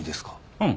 うん。